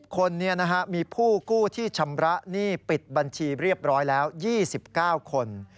คนมีผู้กู้ที่ชำระหนี้ปิดบัญชีเรียบร้อยแล้ว๒๙คน